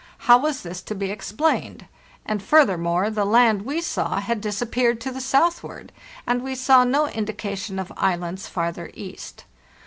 How was this to be explained? And, furthermore, the land we saw had disappeared to the southward ; and we saw no indication of islands farther east.